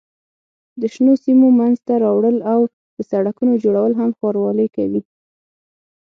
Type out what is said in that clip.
د شنو سیمو منځته راوړل او د سړکونو جوړول هم ښاروالۍ کوي.